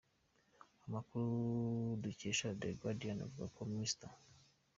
Amakuru dukesha The Guarian avuga ko Mr.